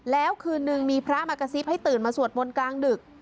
แล้วคืนนึงมีพระมากระซิบให้ตื่นมาสวดมนต์กลางดึก